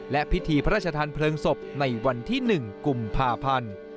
และพิธีพระราชทานเพลิงศพในวันที่๑กุมภาพันธ์